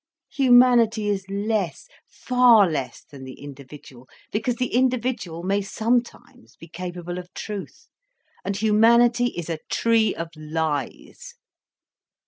Humanity is less, far less than the individual, because the individual may sometimes be capable of truth, and humanity is a tree of lies.